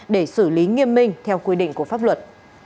để xử lý nghiêm minh theo quy định của pháp luật